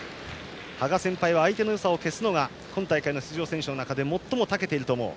羽賀先輩は相手のよさを消すのが今大会の出場選手の中で最もたけていると思う。